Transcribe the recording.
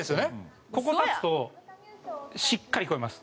ここに立つとしっかり聞こえます。